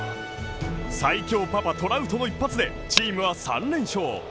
最強パパトラウトの一発でチームは３連勝。